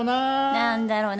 何だろな。